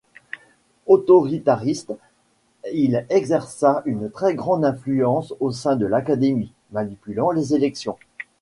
Autoritariste, il exerça une très grande influence au sein de l'Académie, manipulant les élections.